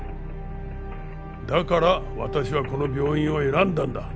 だから私はこの病院を選んだんだ。